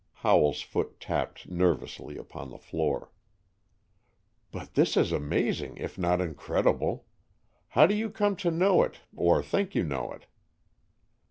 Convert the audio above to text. Howell's foot tapped nervously upon the floor. "But this is amazing, if not incredible. How do you come to know it, or think you know it?"